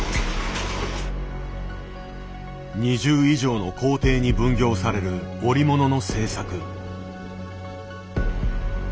２０以上の工程に分業される織物の製作。